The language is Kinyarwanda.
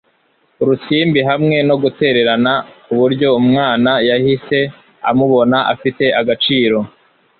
urusimbi hamwe no gutererana kuburyo umwana yahise amubona afite agaciro